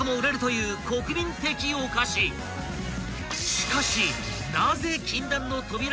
［しかし］